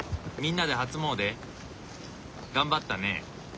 みんなで初詣？頑張ったね。